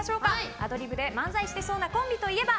アドリブで漫才してそうなコンビといえば？